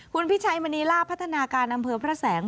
คุณพิชัยมณีลาพัฒนาการอำเภอพระแสง